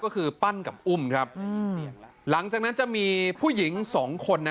ก็คือปั้นกับอุ้มครับอืมหลังจากนั้นจะมีผู้หญิงสองคนนะ